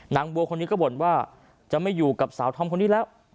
นางบัวคนนี้ก็บ่นว่าจะไม่อยู่กับสาวธอมคนนี้แล้ว